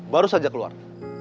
baru saja keluar